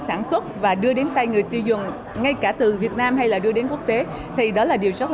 sản xuất và đưa đến tay người tiêu dùng ngay cả từ việt nam hay là đưa đến quốc tế thì đó là điều rất là